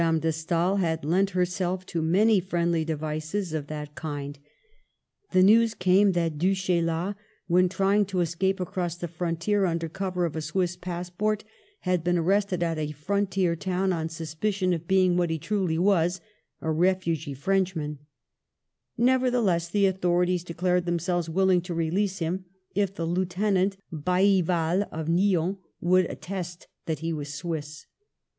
de Stael had lent himself to many friendly devices of that Digitized by VjOOQLC RETIRES TO COPPET Jl kind). The news came that Du Chayla, when trying to escape across the frontier under cover of a Swiss passport, had been arrested at a fron tier town on suspicion of being what he truly was — a refugee Frenchman, Nevertheless, the authorities declared themselves willing to release him if the Lieutenant Baillival of Nyon would attest that he was Swiss.